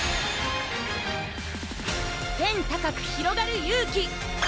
天高くひろがる勇気！